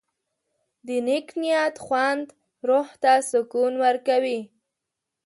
د نیک نیت خوند روح ته سکون ورکوي.